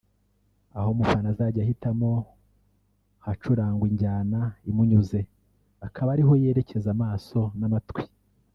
aho umufana azajya ahitamo ahacurangwa injyana imunyuze akaba ariho yerekeza amaso n’amatwi